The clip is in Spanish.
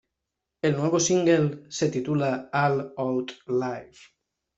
El nuevo single se titula "All Out Life".